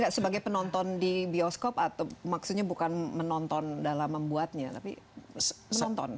ya sebagai penonton di bioskop atau maksudnya bukan menonton dalam membuatnya tapi menonton